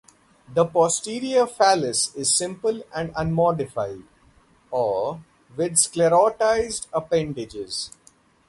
The posterior phallus is simple and unmodified or with sclerotized appendages.